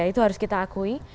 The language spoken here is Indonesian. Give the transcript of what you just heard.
itu harus kita akui